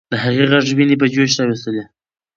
د هغې ږغ ويني په جوش راوستلې وې.